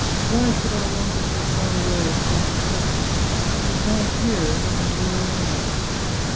Why should I wander so far away in search of happiness? It lies here, under my very eyes.